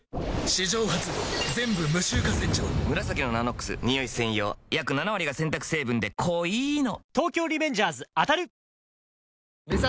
史上初全部無臭化洗浄「紫のＮＡＮＯＸニオイ専用」約７割が洗濯成分で濃いの東京リベンジャーズ当たる！